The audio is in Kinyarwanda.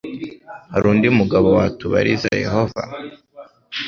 hari undi mugabo watubariza yehova